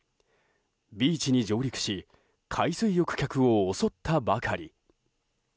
ビーチに上陸し海水浴客を襲ったばかり。